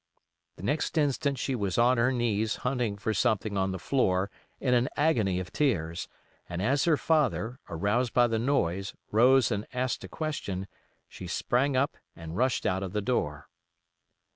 The next instant she was on her knees hunting for something on the floor, in an agony of tears; and as her father, aroused by the noise, rose and asked a question, she sprang up and rushed out of the door.